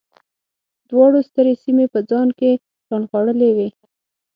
دواړو سترې سیمې په ځان کې رانغاړلې وې.